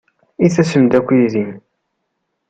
I tasem-d akk yid-i?